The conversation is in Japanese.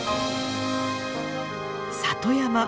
里山。